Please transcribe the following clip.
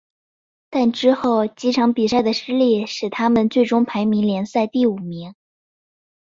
但之后几场比赛的失利使得他们最终排名联赛第五名。